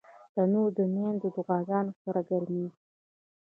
تنور د میندو دعاګانو سره ګرمېږي